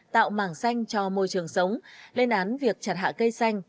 tạo mảng xanh cho môi trường sống lên án việc chặt hạ cây xanh